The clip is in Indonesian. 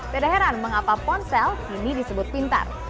tidak heran mengapa ponsel kini disebut pintar